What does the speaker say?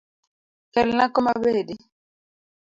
Kelna kom abedi.